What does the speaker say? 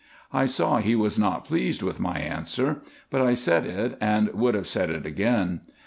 I saw he was not pleased with my answer ; but I said it, and would have said it again.